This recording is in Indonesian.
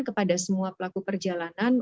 kepada semua pelaku perjalanan